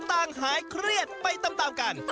ต้องหาเครียดไปตามกัน